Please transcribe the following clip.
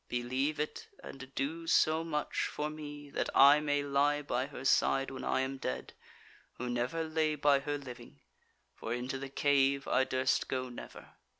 Believe it, and do so much for me that I may lie by her side when I am dead, who never lay by her living. For into the cave I durst go never."